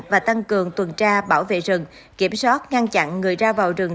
và tăng cường tuần tra bảo vệ rừng kiểm soát ngăn chặn người ra vào rừng